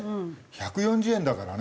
１４０円だからね。